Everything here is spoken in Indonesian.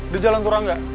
di jalan turangga